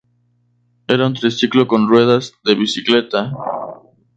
Era un triciclo con ruedas de bicicleta.